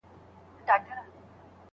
کارخانې څنګه د تولید سیستم ښه کوي؟